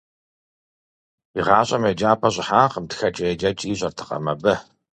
ИгъащӀэм еджапӏэ щӀыхьакъым, тхэкӀэ-еджэкӀи ищӀэртэкъым абы.